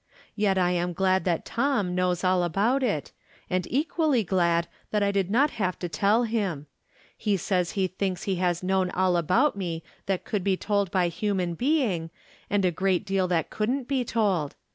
Yet I am glad that Tom knows all about it, and equally glad that I did not have to tell him. He says he thinks he has known all about me that could be told by human being, and a great deal that couldn't be told.